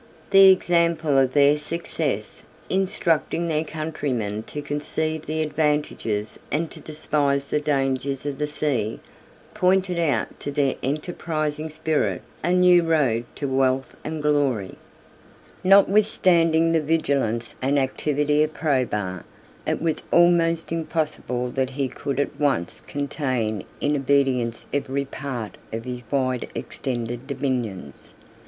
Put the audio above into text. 50 The example of their success, instructing their countrymen to conceive the advantages and to despise the dangers of the sea, pointed out to their enterprising spirit a new road to wealth and glory. 50 (return) [ Panegyr. Vet. v. 18. Zosimus, l. i. p. 66.] Notwithstanding the vigilance and activity of Probus, it was almost impossible that he could at once contain in obedience every part of his wide extended dominions.